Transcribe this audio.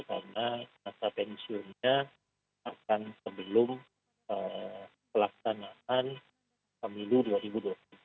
karena masa pensiunnya akan sebelum pelaksanaan pemilu dua ribu dua puluh empat